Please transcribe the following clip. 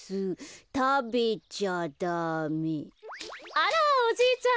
あらおじいちゃん。